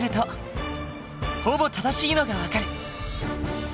ほぼ正しいのが分かる。